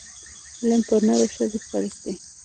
علم پر نر او ښځي فرض دی